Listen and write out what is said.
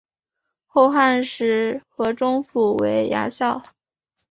后汉时河中府为牙校。